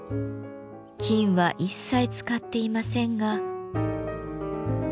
金は一切使っていませんが。